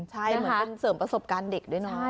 ใช่เหมือนเป็นเสริมประสบการณ์เด็กด้วยเนาะ